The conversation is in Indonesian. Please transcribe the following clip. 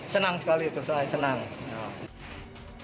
senang sekali terus saya senang